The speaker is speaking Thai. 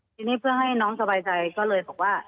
ทีนี้เพื่อให้น้องสบายใจก็เลยบอกว่า